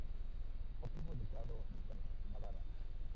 Obtuvo el doctorado en la Universidad de Navarra.